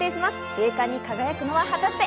栄冠に輝くのは果たして？